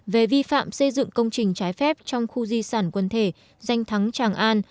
về vi phạm xây dựng công trình trái phép trong khu di sản quần thể danh thắng tràng an